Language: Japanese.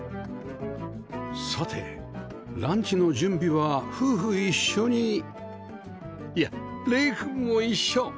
さてランチの準備は夫婦一緒にいや玲くんも一緒